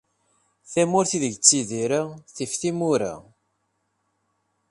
Tamurt ideg ttidireɣ, tif timura.